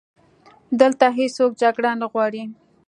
دلته هیڅوک جګړه نه غواړي